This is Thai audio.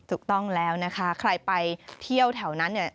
ถูกต้องแล้วนะคะใครไปเที่ยวแถวนั้นเนี่ย